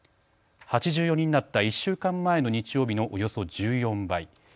８４人だった１週間前の日曜日のおよそ１４倍。